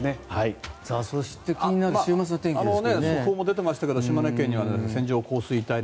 そして気になる週末の天気ですが。